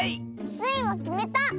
スイはきめた！